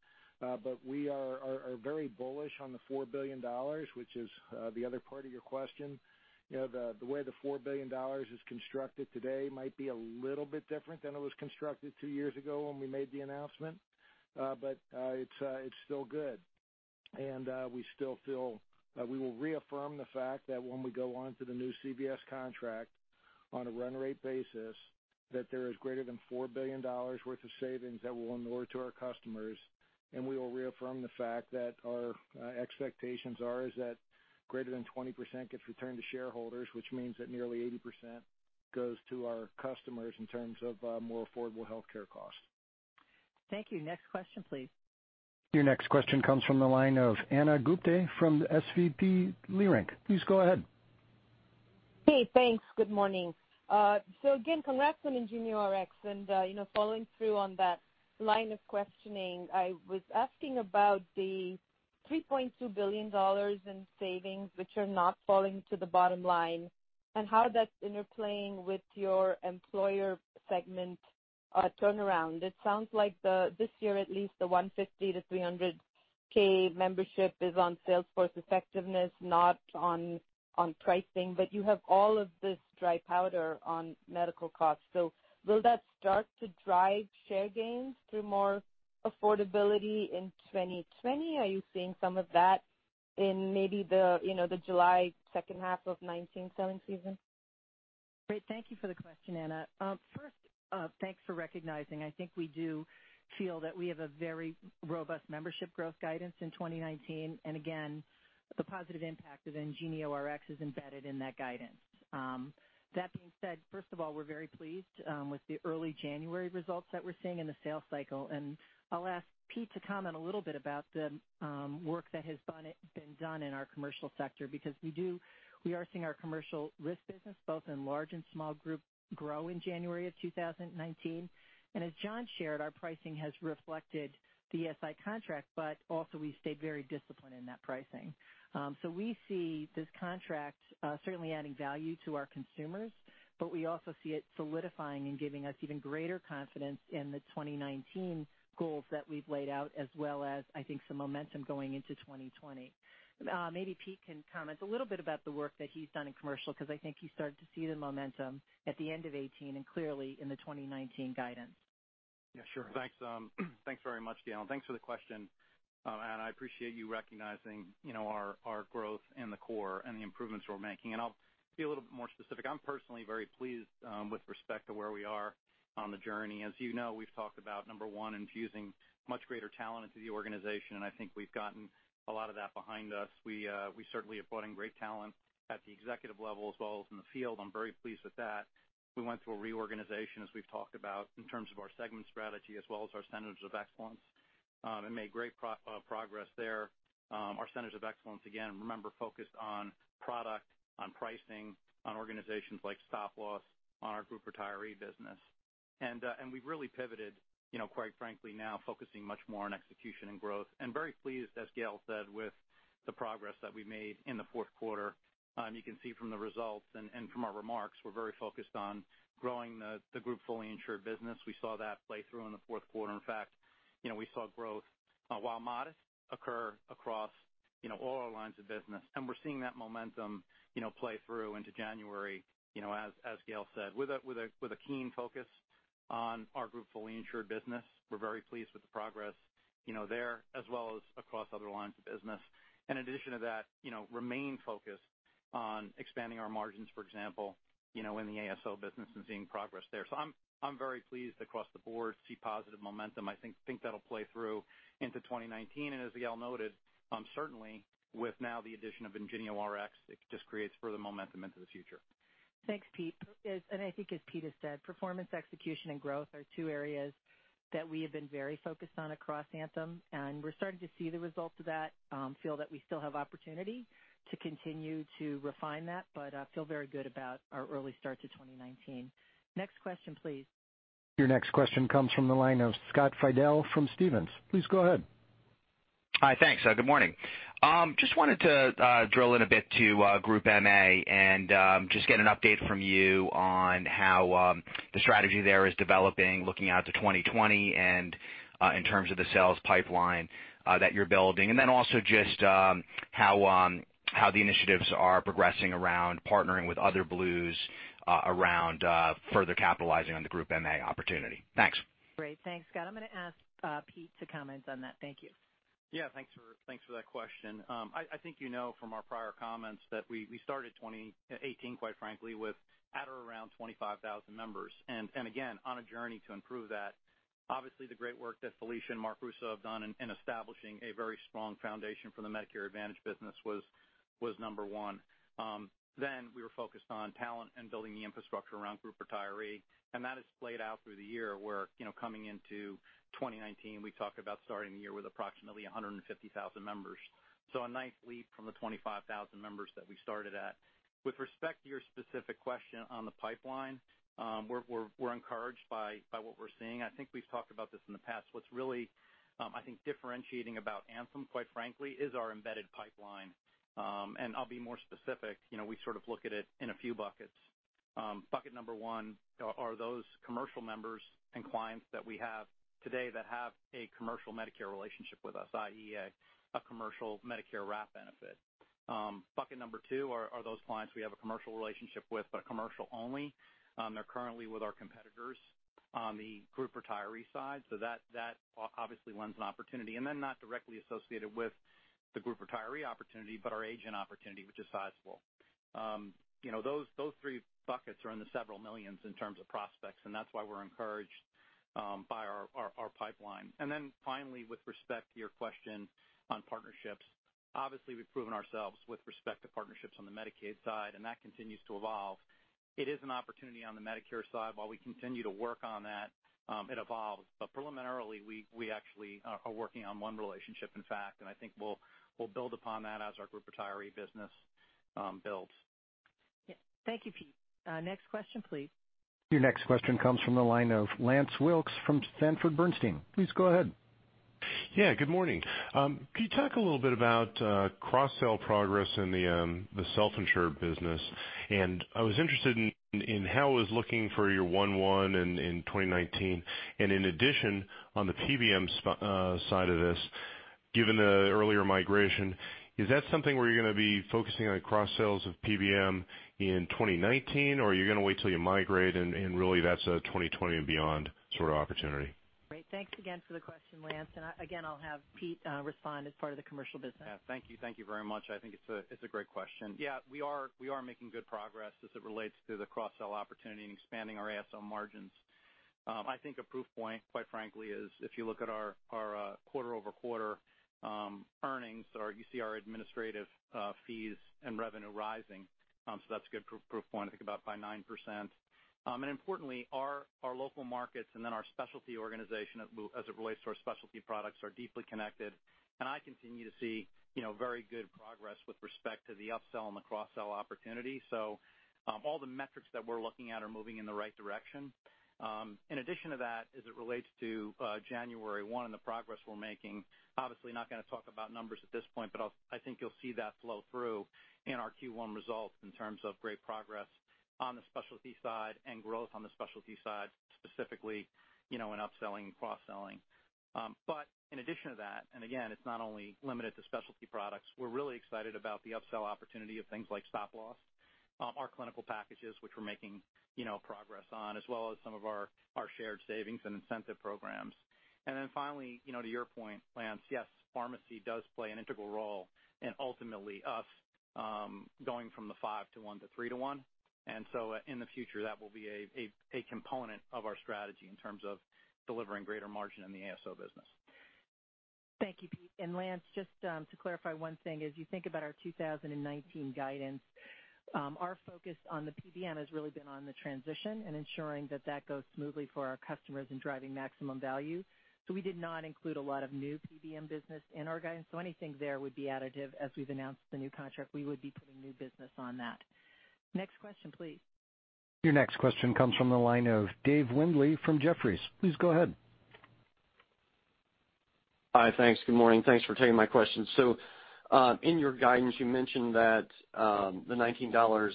We are very bullish on the $4 billion, which is the other part of your question. The way the $4 billion is constructed today might be a little bit different than it was constructed two years ago when we made the announcement. It's still good, and we will reaffirm the fact that when we go onto the new CVS contract on a run rate basis, that there is greater than $4 billion worth of savings that we'll award to our customers. We will reaffirm the fact that our expectations are is that greater than 20% gets returned to shareholders, which means that nearly 80% goes to our customers in terms of more affordable healthcare costs. Thank you. Next question, please. Your next question comes from the line of Ana Gupte from SVB Leerink. Please go ahead. Hey, thanks. Good morning. Again, congrats on IngenioRx. Following through on that line of questioning, I was asking about the $3.2 billion in savings, which are not falling to the bottom line, and how that's interplaying with your employer segment turnaround. It sounds like this year, at least the 150,000 to 300,000 membership is on sales force effectiveness, not on pricing. You have all of this dry powder on medical costs. Will that start to drive share gains through more affordability in 2020? Are you seeing some of that in maybe the July second half of 2019 selling season? Great. Thank you for the question, Ana. First, thanks for recognizing. I think we do feel that we have a very robust membership growth guidance in 2019, and again, the positive impact of IngenioRx is embedded in that guidance. That being said, first of all, we're very pleased with the early January results that we're seeing in the sales cycle, and I'll ask Pete to comment a little bit about the work that has been done in our commercial sector, because we are seeing our commercial risk business, both in large and small group, grow in January of 2019. As John shared, our pricing has reflected the SI contract, but also we stayed very disciplined in that pricing. We see this contract certainly adding value to our consumers, but we also see it solidifying and giving us even greater confidence in the 2019 goals that we've laid out as well as, I think, some momentum going into 2020. Maybe Pete can comment a little bit about the work that he's done in commercial, because I think he started to see the momentum at the end of 2018 and clearly in the 2019 guidance. Yeah, sure. Thanks very much, Gail, and thanks for the question, Ana. I appreciate you recognizing our growth in the core and the improvements we're making. I'll be a little bit more specific. I'm personally very pleased with respect to where we are on the journey. As you know, we've talked about, number one, infusing much greater talent into the organization, and I think we've gotten a lot of that behind us. We certainly have brought in great talent at the executive level as well as in the field. I'm very pleased with that. We went through a reorganization, as we've talked about, in terms of our segment strategy as well as our centers of excellence, and made great progress there. Our centers of excellence, again, remember, focused on product, on pricing, on organizations like stop loss on our group retiree business. We've really pivoted, quite frankly, now focusing much more on execution and growth. Very pleased, as Gail said, with the progress that we made in the fourth quarter. You can see from the results and from our remarks, we're very focused on growing the group fully insured business. We saw that play through in the fourth quarter. In fact, we saw growth, while modest, occur across all our lines of business, and we're seeing that momentum play through into January, as Gail said, with a keen focus on our group fully insured business. We're very pleased with the progress there as well as across other lines of business. In addition to that, remain focused on expanding our margins, for example, in the ASO business and seeing progress there. I'm very pleased across the board to see positive momentum. I think that'll play through into 2019, and as Gail noted, certainly with now the addition of IngenioRx, it just creates further momentum into the future. Thanks, Pete. I think as Pete has said, performance, execution, and growth are two areas that we have been very focused on across Anthem, and we're starting to see the results of that. Feel that we still have opportunity to continue to refine that, but feel very good about our early start to 2019. Next question, please. Your next question comes from the line of Scott Fidel from Stephens. Please go ahead. Hi. Thanks. Good morning. Just wanted to drill in a bit to Group MA and just get an update from you on how the strategy there is developing looking out to 2020 and in terms of the sales pipeline that you're building. Then also just how the initiatives are progressing around partnering with other Blues around further capitalizing on the Group MA opportunity. Thanks. Great. Thanks, Scott. I'm going to ask Pete to comment on that. Thank you. Yeah. Thanks for that question. I think you know from our prior comments that we started 2018, quite frankly, with at or around 25,000 members. Again, on a journey to improve that. Obviously, the great work that Felicia and Marc Russo have done in establishing a very strong foundation for the Medicare Advantage business was number one. We were focused on talent and building the infrastructure around group retiree, and that has played out through the year, where coming into 2019, we talk about starting the year with approximately 150,000 members. A nice leap from the 25,000 members that we started at. With respect to your specific question on the pipeline, we're encouraged by what we're seeing. I think we've talked about this in the past. What's really, I think, differentiating about Anthem, quite frankly, is our embedded pipeline. I'll be more specific. We sort of look at it in a few buckets. Bucket number one are those commercial members and clients that we have today that have a commercial Medicare relationship with us, i.e. a commercial Medicare wrap benefit. Bucket number two are those clients we have a commercial relationship with, but are commercial only. They're currently with our competitors on the group retiree side. That obviously lends an opportunity. Not directly associated with the group retiree opportunity, but our agent opportunity, which is sizable. Those three buckets are in the several millions in terms of prospects, and that's why we're encouraged by our pipeline. Finally, with respect to your question on partnerships, obviously we've proven ourselves with respect to partnerships on the Medicaid side, and that continues to evolve. It is an opportunity on the Medicare side. While we continue to work on that, it evolves. Preliminarily, we actually are working on one relationship, in fact, and I think we'll build upon that as our group retiree business builds. Yeah. Thank you, Pete. Next question, please. Your next question comes from the line of Lance Wilkes from Sanford Bernstein. Please go ahead. Yeah, good morning. Can you talk a little bit about cross-sell progress in the self-insured business? I was interested in how I was looking for your January 1 in 2019. In addition, on the PBM side of this, given the earlier migration, is that something where you're going to be focusing on cross-sells of PBM in 2019? Are you going to wait till you migrate and really that's a 2020 and beyond sort of opportunity? Great. Thanks again for the question, Lance. Again, I'll have Pete respond as part of the commercial business. Thank you. Thank you very much. I think it's a great question. We are making good progress as it relates to the cross-sell opportunity and expanding our ASO margins. I think a proof point, quite frankly, is if you look at our quarter-over-quarter earnings, you see our administrative fees and revenue rising. That's a good proof point, I think about by 9%. Importantly, our local markets and then our specialty organization, as it relates to our specialty products, are deeply connected. I continue to see very good progress with respect to the upsell and the cross-sell opportunity. All the metrics that we're looking at are moving in the right direction. In addition to that, as it relates to January 1, 2019 and the progress we're making, obviously not going to talk about numbers at this point, but I think you'll see that flow through in our Q1 results in terms of great progress on the specialty side and growth on the specialty side, specifically, in upselling and cross-selling. In addition to that, again, it's not only limited to specialty products, we're really excited about the upsell opportunity of things like stop-loss, our clinical packages, which we're making progress on, as well as some of our shared savings and incentive programs. Finally, to your point, Lance, yes, pharmacy does play an integral role in ultimately us going from the five to one to three to one. In the future, that will be a component of our strategy in terms of delivering greater margin in the ASO business. Thank you, Pete. Lance, just to clarify one thing, as you think about our 2019 guidance, our focus on the PBM has really been on the transition and ensuring that that goes smoothly for our customers in driving maximum value. We did not include a lot of new PBM business in our guidance, anything there would be additive. As we've announced the new contract, we would be putting new business on that. Next question, please. Your next question comes from the line of Dave Windley from Jefferies. Please go ahead. Hi, thanks. Good morning. Thanks for taking my question. In your guidance, you mentioned that the $19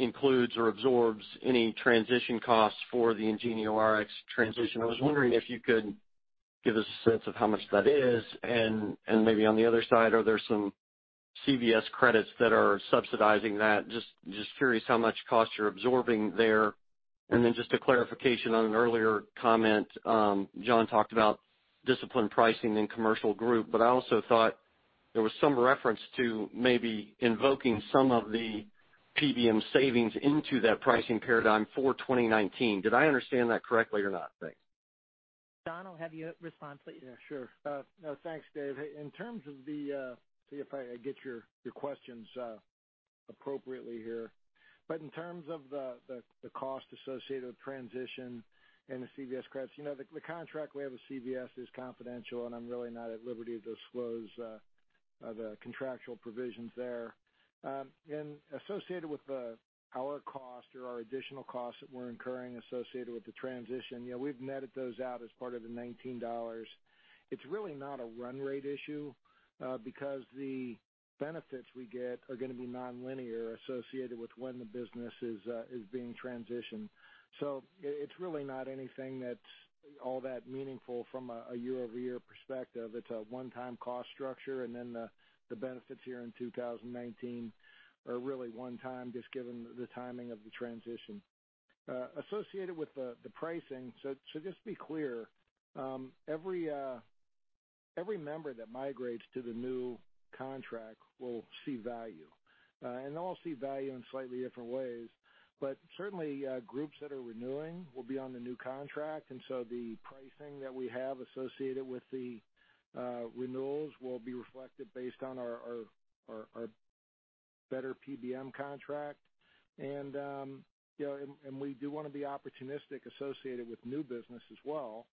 includes or absorbs any transition costs for the IngenioRx transition. I was wondering if you could give us a sense of how much that is, and maybe on the other side, are there some CVS credits that are subsidizing that? Just curious how much cost you're absorbing there. Just a clarification on an earlier comment. John talked about disciplined pricing in Commercial group, but I also thought there was some reference to maybe invoking some of the PBM savings into that pricing paradigm for 2019. Did I understand that correctly or not? Thanks. John, I'll have you respond, please. Yeah, sure. No, thanks, Dave. Let me see if I get your questions appropriately here. In terms of the cost associated with transition and the CVS credits, the contract we have with CVS is confidential, and I'm really not at liberty to disclose the contractual provisions there. Associated with our cost or our additional costs that we're incurring associated with the transition, we've netted those out as part of the $19. It's really not a run rate issue, because the benefits we get are going to be nonlinear associated with when the business is being transitioned. It's really not anything that's all that meaningful from a year-over-year perspective. It's a one-time cost structure, and then the benefits here in 2019 are really one time, just given the timing of the transition. Associated with the pricing, just to be clear, every member that migrates to the new contract will see value. They'll all see value in slightly different ways. Certainly, groups that are renewing will be on the new contract. The pricing that we have associated with the renewals will be reflected based on our better PBM contract. We do want to be opportunistic associated with new business as well,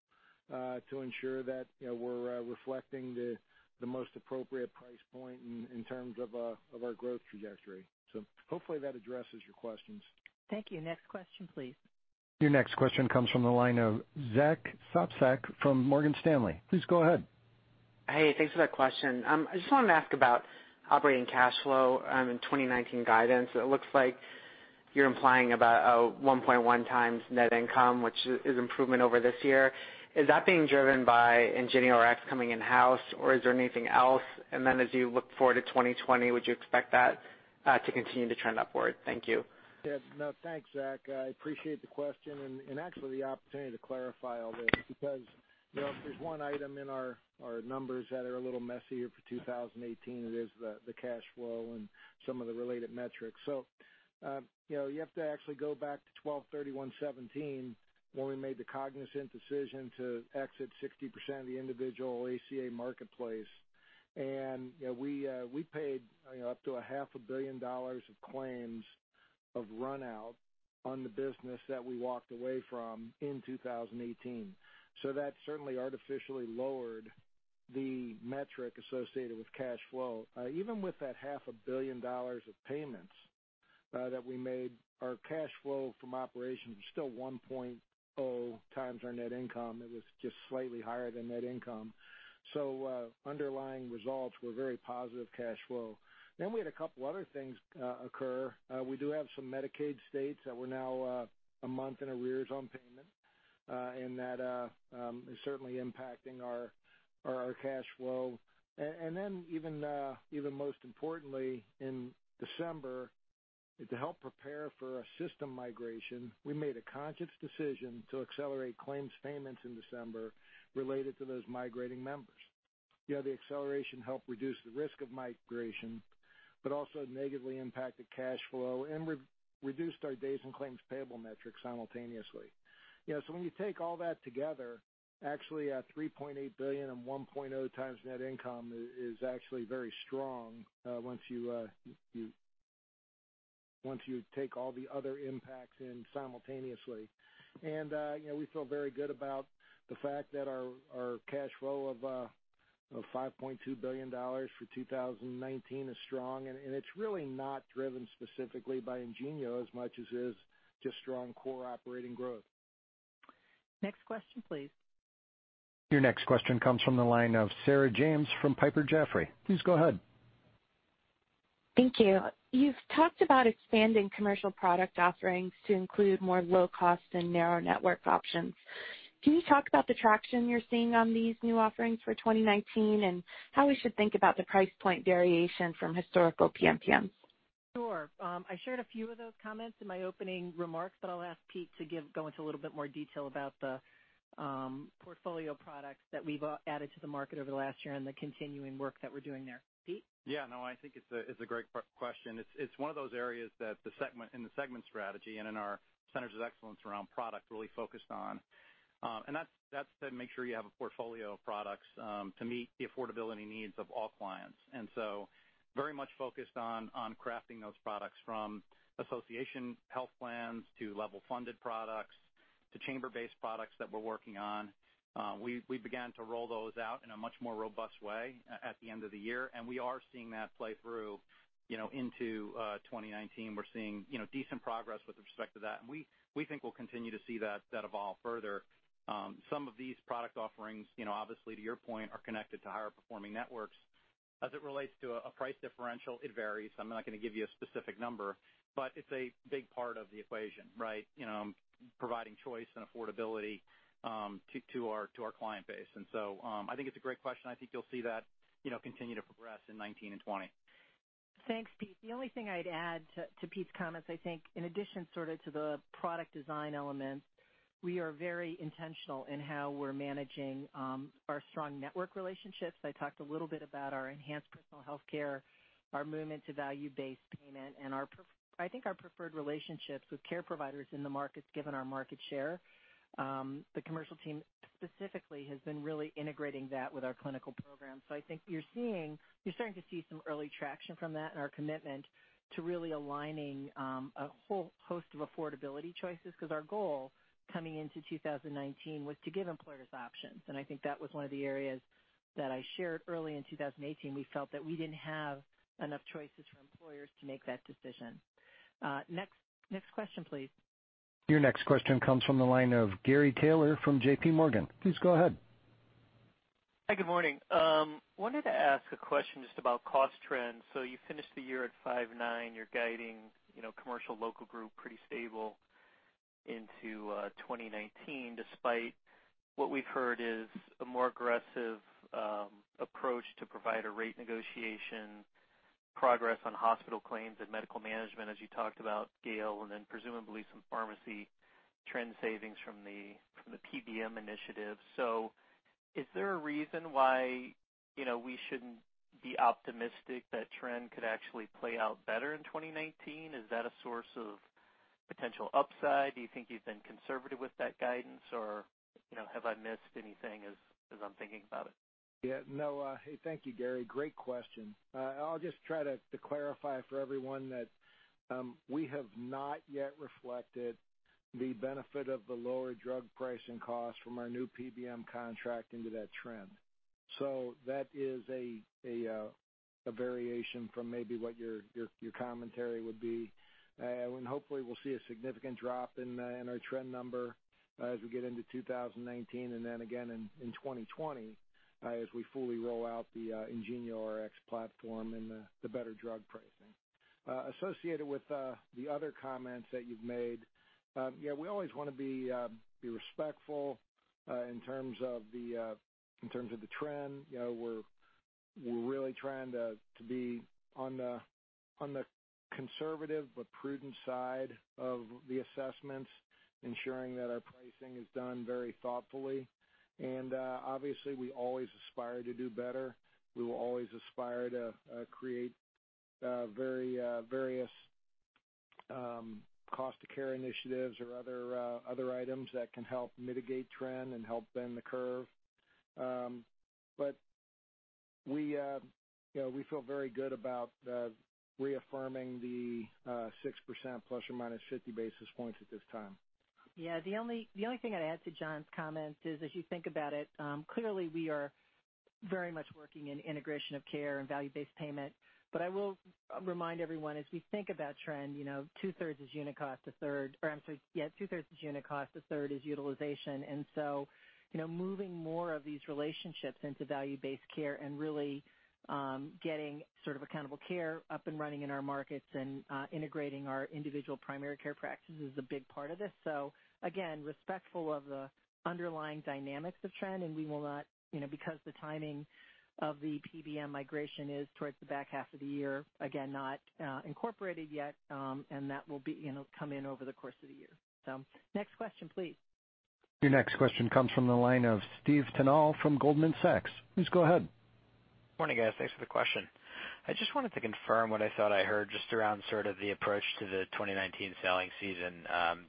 to ensure that we're reflecting the most appropriate price point in terms of our growth trajectory. Hopefully that addresses your questions. Thank you. Next question, please. Your next question comes from the line of Zack Sopcak from Morgan Stanley. Please go ahead. Thanks for the question. I just wanted to ask about operating cash flow in 2019 guidance. It looks like you're implying about a 1.1x net income, which is improvement over this year. Is that being driven by IngenioRx coming in-house, or is there anything else? As you look forward to 2020, would you expect that to continue to trend upward? Thank you. No, thanks, Zack. I appreciate the question, and actually the opportunity to clarify all this, because if there's one item in our numbers that are a little messier for 2018, it is the cash flow and some of the related metrics. You have to actually go back to 12/31/2017, when we made the cognizant decision to exit 60% of the individual ACA marketplace. We paid up to a half a billion dollars of claims of run-out on the business that we walked away from in 2018. That certainly artificially lowered the metric associated with cash flow. Even with that half a billion dollars of payments that we made, our cash flow from operations was still 1.0x our net income. It was just slightly higher than net income. Underlying results were very positive cash flow. We had a couple other things occur. We do have some Medicaid states that were now a month in arrears on payment, and that is certainly impacting our cash flow. Even most importantly, in December, to help prepare for our system migration, we made a conscious decision to accelerate claims payments in December related to those migrating members. The acceleration helped reduce the risk of migration, but also negatively impacted cash flow and reduced our days in claims payable metrics simultaneously. When you take all that together, actually at $3.8 billion and 1.0 times net income is actually very strong once you take all the other impacts in simultaneously. We feel very good about the fact that our cash flow of $5.2 billion for 2019 is strong, and it's really not driven specifically by IngenioRx as much as it is just strong core operating growth. Next question, please. Your next question comes from the line of Sarah James from Piper Jaffray. Please go ahead. Thank you. You've talked about expanding commercial product offerings to include more low-cost and narrow network options. Can you talk about the traction you're seeing on these new offerings for 2019, and how we should think about the price point variation from historical PMPM? Sure. I shared a few of those comments in my opening remarks, but I'll ask Pete to go into a little bit more detail about the portfolio products that we've added to the market over the last year and the continuing work that we're doing there. Pete? Yeah. No, I think it's a great question. It's one of those areas that in the segment strategy and in our centers of excellence around product really focused on. That's to make sure you have a portfolio of products to meet the affordability needs of all clients. Very much focused on crafting those products from association health plans to level funded products to chamber-based products that we're working on. We began to roll those out in a much more robust way at the end of the year, and we are seeing that play through into 2019. We're seeing decent progress with respect to that, and we think we'll continue to see that evolve further. Some of these product offerings, obviously to your point, are connected to higher performing networks. As it relates to a price differential, it varies. I'm not going to give you a specific number, but it's a big part of the equation, providing choice and affordability to our client base. I think it's a great question. I think you'll see that continue to progress in 2019 and 2020. Thanks, Pete. The only thing I'd add to Pete's comments, I think in addition sort of to the product design elements, we are very intentional in how we're managing our strong network relationships. I talked a little bit about our Enhanced Personal Health Care, our movement to value-based payment, and I think our preferred relationships with care providers in the markets, given our market share. The commercial team specifically has been really integrating that with our clinical program. I think you're starting to see some early traction from that and our commitment to really aligning a whole host of affordability choices because our goal coming into 2019 was to give employers options, and I think that was one of the areas that I shared early in 2018. We felt that we didn't have enough choices for employers to make that decision. Next question, please. Your next question comes from the line of Gary Taylor from JPMorgan. Please go ahead. Hi, good morning. Wanted to ask a question just about cost trends. You finished the year at 5.9%. You're guiding commercial local group pretty stable into 2019, despite what we've heard is a more aggressive approach to provider rate negotiation, progress on hospital claims and medical management as you talked about, Gail, and then presumably some pharmacy trend savings from the PBM initiative. Is there a reason why we shouldn't be optimistic that trend could actually play out better in 2019? Is that a source of potential upside? Do you think you've been conservative with that guidance, or have I missed anything as I'm thinking about it? Yeah, no. Hey, thank you, Gary. Great question. I'll just try to clarify for everyone that we have not yet reflected the benefit of the lower drug pricing cost from our new PBM contract into that trend. That is a variation from maybe what your commentary would be. Hopefully we'll see a significant drop in our trend number as we get into 2019, and then again in 2020 as we fully roll out the IngenioRx platform and the better drug pricing. Associated with the other comments that you've made, we always want to be respectful in terms of the trend. We're really trying to be on the conservative but prudent side of the assessments, ensuring that our pricing is done very thoughtfully. Obviously, we always aspire to do better. We will always aspire to create various cost to care initiatives or other items that can help mitigate trend and help bend the curve. We feel very good about reaffirming the 6% ±50 basis points at this time. Yeah, the only thing I'd add to John's comments is if you think about it, clearly we are very much working in integration of care and value-based payment. I will remind everyone, as we think of that trend, two-thirds is unit cost, a third is utilization. Moving more of these relationships into value-based care and really getting sort of accountable care up and running in our markets and integrating our individual primary care practices is a big part of this. Again, respectful of the underlying dynamics of trend, and because the timing of the PBM migration is towards the back half of the year, again, not incorporated yet, and that will come in over the course of the year. Next question, please. Your next question comes from the line of Steve Tanal from Goldman Sachs. Please go ahead. Morning, guys. Thanks for the question. I just wanted to confirm what I thought I heard just around sort of the approach to the 2019 selling season,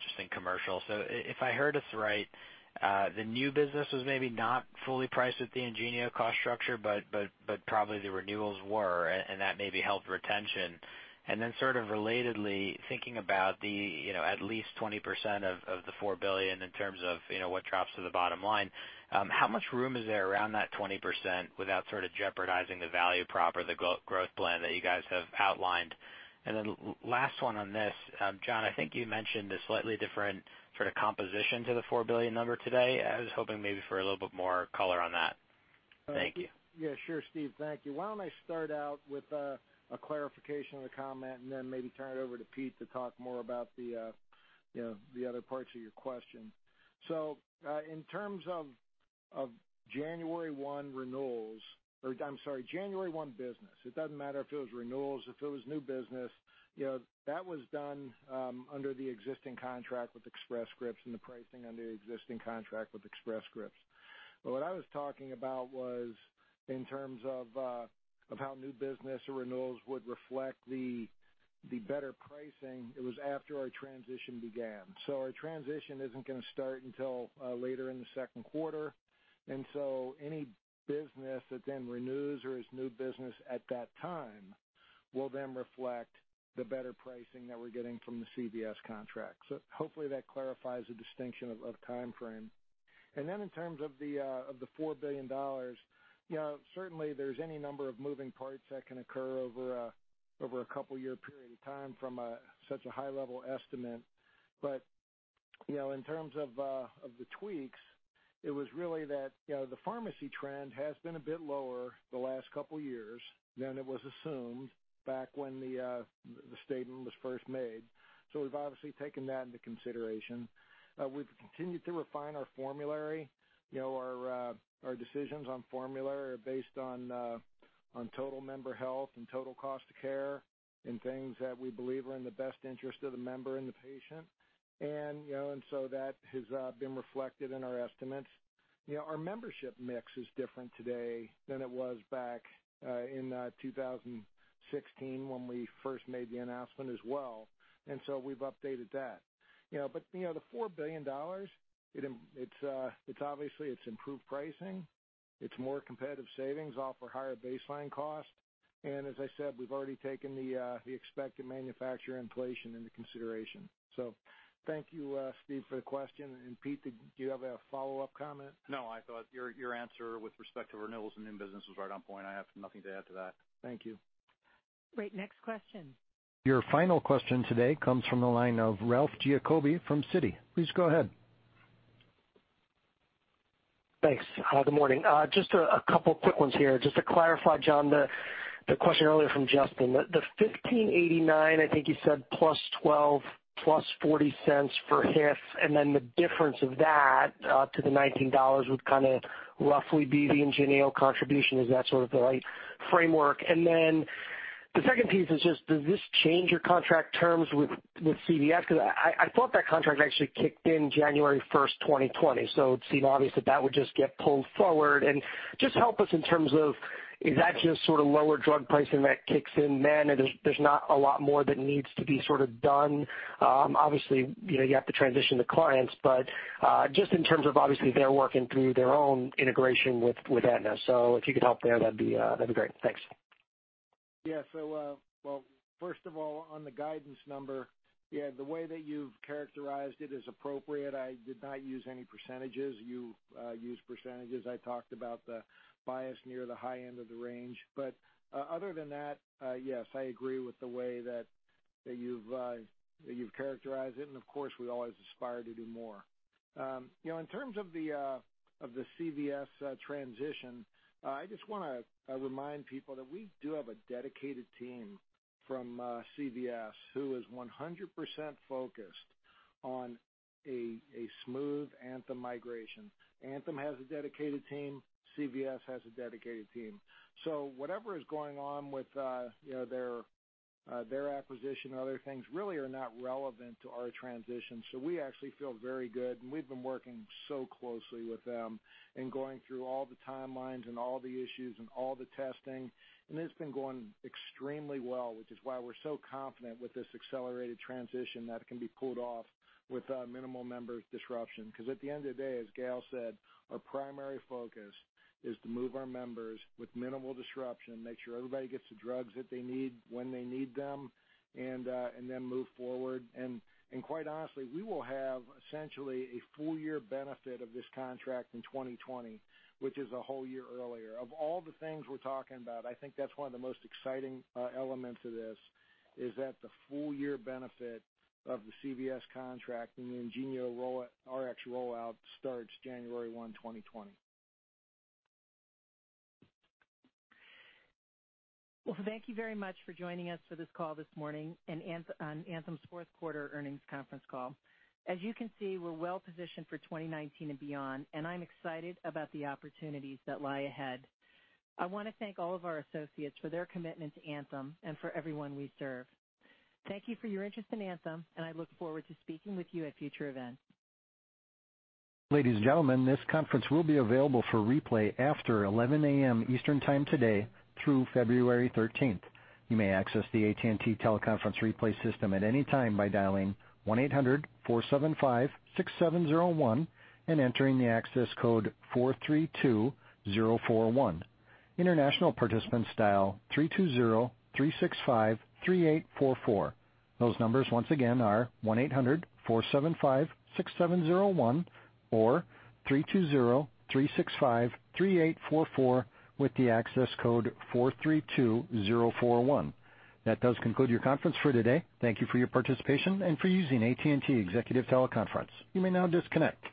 just in commercial. If I heard this right, the new business was maybe not fully priced with the Ingenio cost structure, but probably the renewals were, and that maybe helped retention. Relatedly, thinking about the at least 20% of the $4 billion in terms of what drops to the bottom line, how much room is there around that 20% without sort of jeopardizing the value prop or the growth plan that you guys have outlined? Last one on this, John, I think you mentioned a slightly different sort of composition to the $4 billion number today. I was hoping maybe for a little bit more color on that. Thank you. Sure, Steve. Thank you. Why don't I start out with a clarification of the comment and then maybe turn it over to Pete to talk more about the other parts of your question. In terms of January 1, 2019 renewals or, I'm sorry, January 1, 2019 business, it doesn't matter if it was renewals, if it was new business, that was done under the existing contract with Express Scripts and the pricing under the existing contract with Express Scripts. What I was talking about was in terms of how new business or renewals would reflect the better pricing, it was after our transition began. Our transition isn't going to start until later in the second quarter. Any business that then renews or is new business at that time will then reflect the better pricing that we're getting from the CVS contract. Hopefully that clarifies the distinction of timeframe. In terms of the $4 billion, certainly there's any number of moving parts that can occur over a couple of year period of time from such a high level estimate. In terms of the tweaks, it was really that the pharmacy trend has been a bit lower the last couple of years than it was assumed back when the statement was first made. We've obviously taken that into consideration. We've continued to refine our formulary. Our decisions on formulary are based on total member health and total cost of care and things that we believe are in the best interest of the member and the patient. That has been reflected in our estimates. Our membership mix is different today than it was back in 2016 when we first made the announcement as well, and so we've updated that. The $4 billion, it's obviously improved pricing. It's more competitive savings off our higher baseline cost. As I said, we've already taken the expected manufacturer inflation into consideration. Thank you, Steve, for the question. Pete, do you have a follow-up comment? No, I thought your answer with respect to renewals and new business was right on point. I have nothing to add to that. Thank you. Great. Next question. Your final question today comes from the line of Ralph Giacobbe from Citi. Please go ahead. Thanks. Good morning. Just a couple quick ones here. Just to clarify, John, the question earlier from Justin, the 15.89, I think you said +$1.20, +$0.40 for HIF, and then the difference of that to the $19 would kind of roughly be the Ingenio contribution. Is that sort of the right framework? The second piece is just, does this change your contract terms with CVS? I thought that contract actually kicked in January 1st, 2020. It seemed obvious that that would just get pulled forward. Help us in terms of, is that just sort of lower drug pricing that kicks in then and there's not a lot more that needs to be sort of done? Obviously, you have to transition the clients, but just in terms of obviously they're working through their own integration with Aetna. If you could help there, that'd be great. Thanks. Yeah. Well, first of all, on the guidance number, yeah, the way that you've characterized it is appropriate. I did not use any percentages. You used percentages. I talked about the bias near the high end of the range. Other than that, yes, I agree with the way that you've characterized it, and of course, we always aspire to do more. In terms of the CVS transition, I just want to remind people that we do have a dedicated team from CVS who is 100% focused on a smooth Anthem migration. Anthem has a dedicated team, CVS has a dedicated team. Whatever is going on with their acquisition and other things really are not relevant to our transition. We actually feel very good, and we've been working so closely with them and going through all the timelines and all the issues and all the testing, and it's been going extremely well, which is why we're so confident with this accelerated transition that it can be pulled off with minimal member disruption. Because at the end of the day, as Gail said, our primary focus is to move our members with minimal disruption, make sure everybody gets the drugs that they need when they need them, and then move forward. Quite honestly, we will have essentially a full year benefit of this contract in 2020, which is a whole year earlier. Of all the things we're talking about, I think that's one of the most exciting elements of this, is that the full year benefit of the CVS contract and the IngenioRx rollout starts January 1, 2020. Well, thank you very much for joining us for this call this morning on Anthem's fourth quarter earnings conference call. As you can see, we're well positioned for 2019 and beyond. I'm excited about the opportunities that lie ahead. I want to thank all of our associates for their commitment to Anthem and for everyone we serve. Thank you for your interest in Anthem, and I look forward to speaking with you at future events. Ladies and gentlemen, this conference will be available for replay after 11:00 A.M. Eastern Time today through February 13th, 2019. You may access the AT&T TeleConference replay system at any time by dialing 1-800-475-6701 and entering the access code 432041. International participants dial 3203653844. Those numbers once again are 1-800-475-6701 or 3203653844 with the access code 432041. That does conclude your conference for today. Thank you for your participation and for using AT&T Executive TeleConference. You may now disconnect.